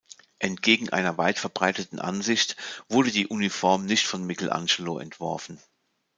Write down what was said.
Entgegen einer weitverbreiteten Ansicht wurde die Uniform nicht von Michelangelo entworfen.